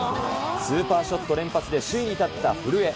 スーパーショット連発で首位に立った古江。